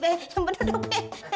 be yang bener dong be